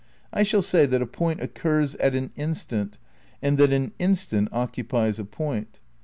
I shall say that a point occurs at an instant and that an instant oc cupies a point.